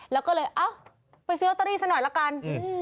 แล้วก็เลยเอ้าไปซื้อลอตเตอรี่ซะหน่อยละกัน